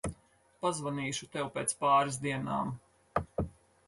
Pazvanīšu tev pēc pāris dienām.